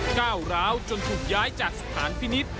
ก้าวร้าวจนถูกย้ายจากสถานพินิษฐ์